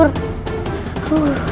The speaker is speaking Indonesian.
rupanya dia masih tidur